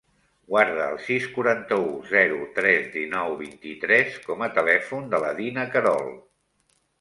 Guarda el sis, quaranta-u, zero, tres, dinou, vint-i-tres com a telèfon de la Dina Querol.